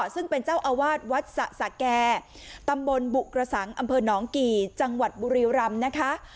ซึ่งเป็นเจ้าอาวาสวัดสะสแก่ตำบลบุกระสังอำเภอหนองกี่จังหวัดบุรีรำนะคะ